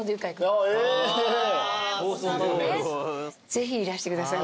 ぜひいらしてください。